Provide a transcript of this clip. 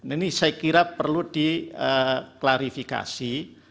ini saya kira perlu diklarifikasi